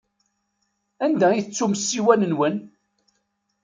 Anda i tettum ssiwan-nwen?